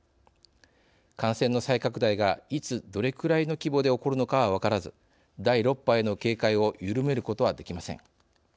感染の再拡大がいつ、どれくらいの規模で起こるのかは分からず第６波への警戒を緩めることはできません。